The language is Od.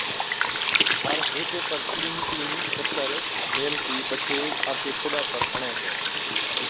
ھر ھيڪي پر تين تين چڪر ميلهتِي پڇي آپڪي ٺوڏا پر ھڻَي ڇَي